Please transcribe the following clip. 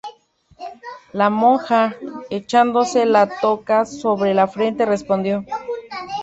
la monja, echándose la toca sobre la frente, respondió: